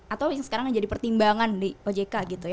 atau yang sekarang jadi pertimbangan di ojk gitu ya